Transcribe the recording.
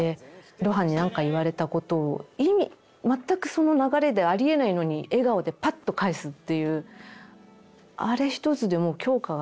露伴に何か言われたことを意味全くその流れでありえないのに笑顔でパッと返すという。